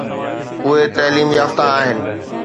اهي تعليم يافته آهن.